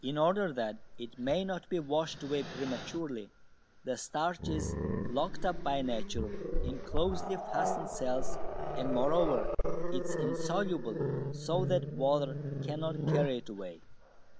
In order that it may not be washed away prematurely, the starch is locked up by nature in closely fastened cells, and, moreover, it is insoluble, so that water cannot carry it away.